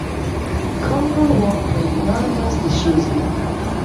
Conger won by unanimous decision.